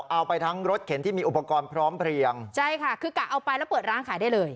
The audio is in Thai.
เอาไปทั้งรถเข็นที่มีอุปกรณ์พร้อมเพลียงใช่ค่ะคือกะเอาไปแล้วเปิดร้านขายได้เลย